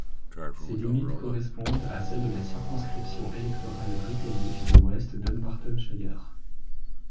Ses limites correspondent à celles de la circonscription électorale britannique de West Dunbartonshire.